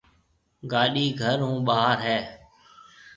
گاڏيِ گهر هون ٻاهر هيَ۔